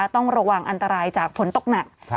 ต้องระวังอันตรายจากฝนตกหนัก